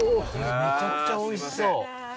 めちゃくちゃおいしそう！